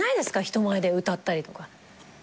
人前で歌ったりとか。